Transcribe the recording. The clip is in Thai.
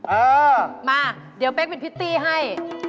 เออมาเดี๋ยวเป๊กเป็นพิตตี้ให้